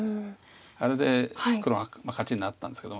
あれで黒は勝ちになったんですけども。